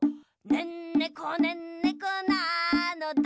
「ねんねこねんねこなのだ」